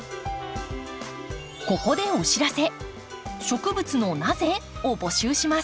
ここでお知らせ。